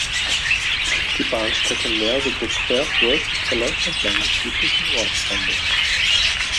Die Bahnstrecke Merseburg–Querfurt verläuft entlang des südlichen Ortsrandes.